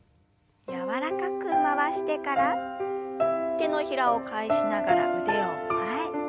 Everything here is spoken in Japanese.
柔らかく回してから手のひらを返しながら腕を前。